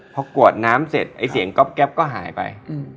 พอกวดน้ำเสร็จไอ้เสียงก๊อบแป๊บก็หายไป